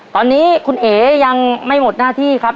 ตอนนี้คุณเอ๋ยังไม่หมดหน้าที่ครับ